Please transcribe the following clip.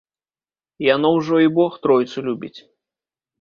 Яно ўжо і бог тройцу любіць.